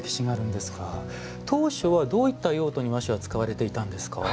当初は、どういった用途に和紙は使われていたんですか？